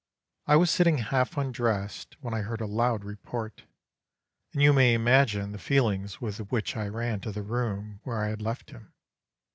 I was sitting half undressed, when I heard a loud report, and you may imagine the feelings with which I ran to the room where I had left him.